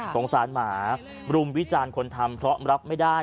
สงสารหมารุมวิจารณ์คนทำเพราะรับไม่ได้